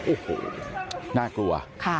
โอ้โหน่ากลัว